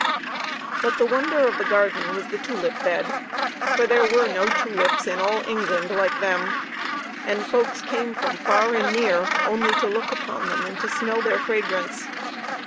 But the wonder of the garden was the tulip bed, for there were no tulips in all England like them, and folks came from far and near, only to look upon them and to smell their fragrance.